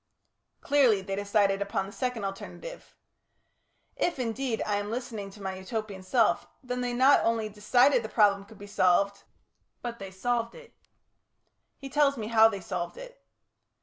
Clearly they decided upon the second alternative. If, indeed, I am listening to my Utopian self, then they not only decided the problem could be solved, but they solved it. He tells me how they solved it.